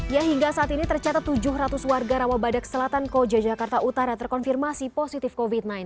ya hingga saat ini tercatat tujuh ratus warga rawabadak selatan koja jakarta utara terkonfirmasi positif covid sembilan belas